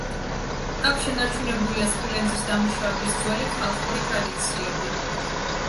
აქ შენარჩუნებულია სპილენძის დამუშავების ძველი ხალხური ტრადიციები.